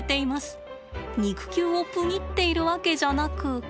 肉球をプニっているわけじゃなく。